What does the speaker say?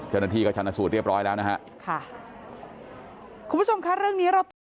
เจ้าหน้าที่กระชันสูตรเรียบร้อยแล้วนะฮะ